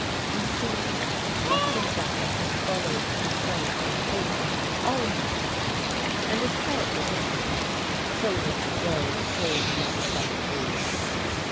You see, Captain Jacka had followed the trade in Polperro all his days, and his heart was in it till Mr. Job pulled him up by the roots.